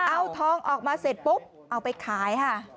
เอาทองออกมาเสร็จปุ๊บเอาไปขายค่ะ